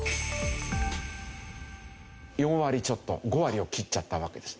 ４割ちょっと５割を切っちゃったわけです。